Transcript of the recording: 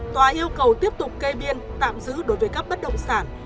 tòa yêu cầu tiếp tục kê biên tạm giữ đối với các bất động sản